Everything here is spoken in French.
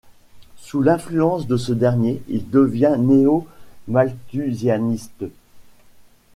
Sous l’influence de ce dernier, il devient néo-malthusianiste.